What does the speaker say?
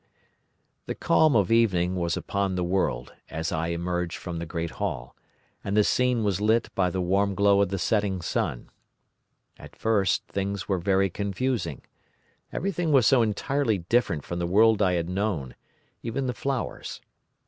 "The calm of evening was upon the world as I emerged from the great hall, and the scene was lit by the warm glow of the setting sun. At first things were very confusing. Everything was so entirely different from the world I had known—even the flowers.